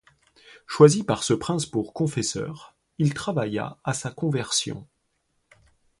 Choisi par ce prince pour confesseur, il travailla à sa conversion.